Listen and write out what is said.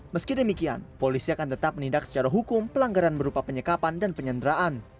meski demikian polisi akan tetap menindak secara hukum pelanggaran berupa penyekapan dan penyanderaan